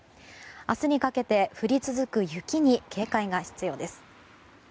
明日にかけて降り続く雪に警戒が必要です。